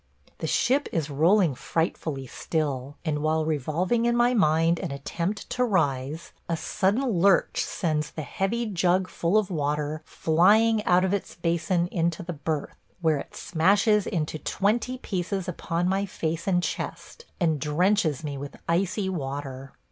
The ship is rolling frightfully still, and while revolving in my mind an attempt to rise, a sudden lurch sends the heavy jug full of water flying out of its basin into the berth, where it smashes into twenty pieces upon my face and chest, and drenches me with icy water.